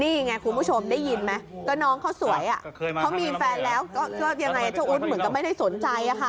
นี่ไงคุณผู้ชมได้ยินไหมก็น้องเขาสวยเขามีแฟนแล้วก็ยังไงเจ้าอุ๊ดเหมือนกับไม่ได้สนใจอะค่ะ